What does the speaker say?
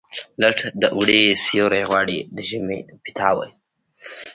لټ د اوړي سیوري غواړي، د ژمي پیتاوي.